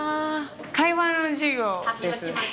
会話の授業です。